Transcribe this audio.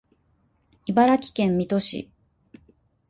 茨城県水戸市